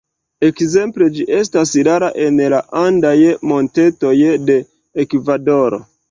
Ekzemple ĝi estas rara en la andaj montetoj de Ekvadoro.